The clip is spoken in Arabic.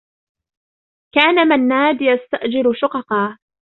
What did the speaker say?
كان منّاد يستأجر شققا.